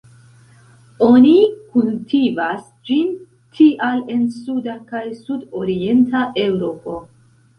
Oni kultivas ĝin tial en suda kaj sudorienta Eŭropo.